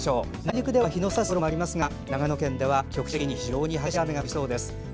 内陸では日の差すところもありますが長野県では局地的に非常に激しい雨が降りそうです。